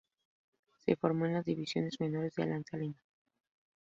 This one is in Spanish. Se formó en las divisiones menores de Alianza Lima.